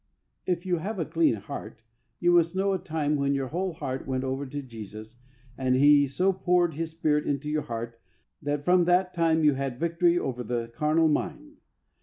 If you have a clean heart you must know a time when your whole heart went over to Jesus and He so poured His Spirit into your heart that from that time you had victory over the carnal mind.